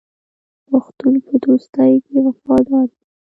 پښتون په دوستۍ کې وفادار وي.